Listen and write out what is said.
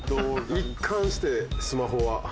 一貫してスマホは。